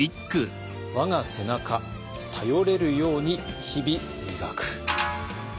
「我が背中頼れるように日々磨く」。